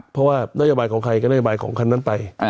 เพราะว่านโยบายของใครก็นโยบายของคันนั้นไป